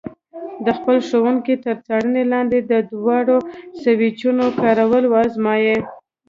د خپل ښوونکي تر څارنې لاندې د دواړو سویچونو کارول وازمایئ.